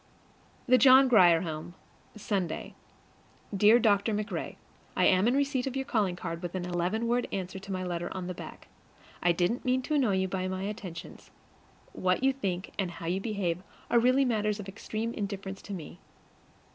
THE JOHN GRIER HOME, Sunday. Dear Dr. MacRae: I am in receipt of your calling card with an eleven word answer to my letter on the back. I didn't mean to annoy you by my attentions. What you think and how you behave are really matters of extreme indifference to me.